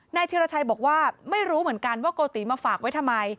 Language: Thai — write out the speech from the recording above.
ธิรชัยบอกว่าไม่รู้เหมือนกันว่าโกติมาฝากไว้ทำไม